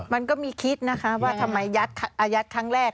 มันก็มีคิดนะคะว่าทำไมยัดอายัดครั้งแรก